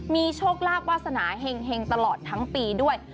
มีโชคลาภวาสนาเห็งตลอดทั้งปีด้วย